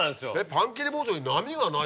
パン切り包丁に波がないの？